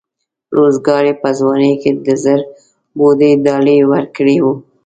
روزګار یې په ځوانۍ کې د زړبودۍ ډالۍ ورکړې وه.